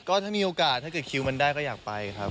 ก็ถ้ามีโอกาสถ้าเกิดคิวมันได้ก็อยากไปครับ